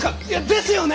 ですよね！